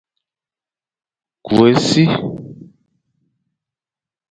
Ku e si.